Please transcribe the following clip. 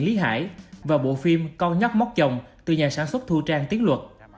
điện lý hải và bộ phim con nhắc móc chồng từ nhà sản xuất thu trang tiến luật